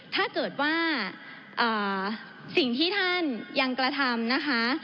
ถ้าเกิดว่าสิ่งที่ท่านยังกระทำนะคะ